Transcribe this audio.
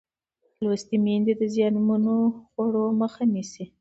لوستې میندې د زیانمنو خوړو مخه نیسي.